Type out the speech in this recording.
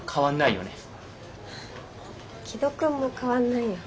紀土くんも変わんないよ。